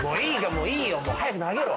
もういいよ。早く投げろ。